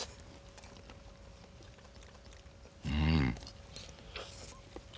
うん。